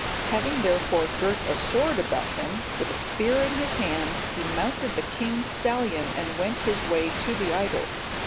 Having, therefore, girt a sword about him, with a spear in his hand, he mounted the king's stallion, and went his way to the idols.